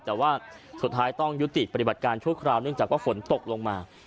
แต่ว่าสุดท้ายต้องยุติปฏิบัติการชั่วคราวเนื่องจากว่าฝนตกลงมา